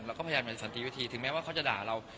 พยายามเหมือนสันติวิธีถึงแม้ว่าเขาจะด่าเรา